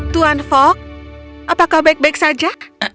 tuan fog apa kau baik baik saja